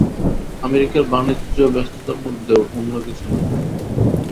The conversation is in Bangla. আমেরিকার বাণিজ্য-ব্যস্ততার মধ্যেও অন্য কিছু নয়।